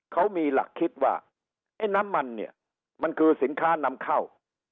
เขามีหลักคิดว่าไอ้น้ำมันเนี่ยมันคือสินค้านำเข้า